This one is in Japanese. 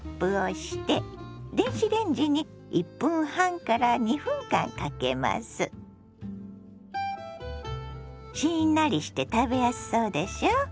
しんなりして食べやすそうでしょ。